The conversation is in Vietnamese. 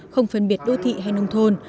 không phân biệt đô thị hay nông thôn